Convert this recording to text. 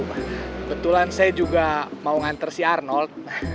kebetulan saya juga mau ngantar si arnold